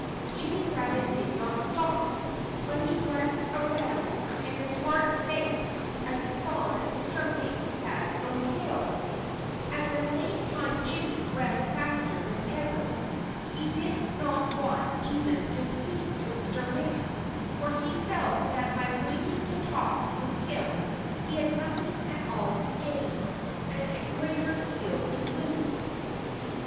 Jimmy Rabbit did not stop. But he glanced around. And his heart sank as he saw that Mr. Mink had no tail! At the same time Jimmy ran faster than ever. He did not want even to speak to Mr. Mink, for he felt that by waiting to talk with him he had nothing at all to gain, and a great deal to lose.